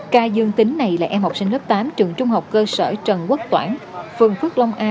ca dương tính này là em học sinh lớp tám trường trung học cơ sở trần quốc toản phường phước long a